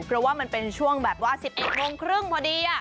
เพราะว่ามันเป็นช่วงแบบว่า๑๑โมงครึ่งพอดี